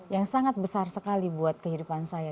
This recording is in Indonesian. yang sangat besar sekali buat kehidupan saya